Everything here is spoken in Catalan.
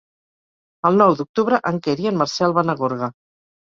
El nou d'octubre en Quer i en Marcel van a Gorga.